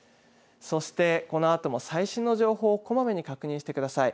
そして、このあとも最新の情報をこまめに確認してください。